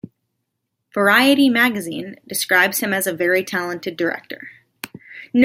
Variety Magazine describes him as "a very talented director".